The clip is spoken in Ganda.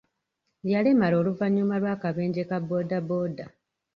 Yalemala oluvannyuma lw'akabenje ka boodabooda.